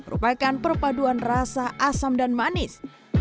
rupakan perpaduan rasa asam dan manis